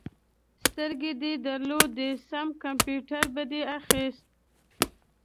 سترګې دې درلودې؛ سم کمپيوټر به دې اخيست.